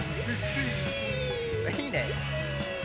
いいね！